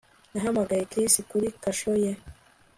Nahamagaye Chris kuri kasho ye